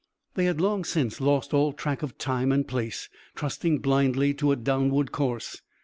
They had long since lost all track of time and place, trusting blindly to a downward course.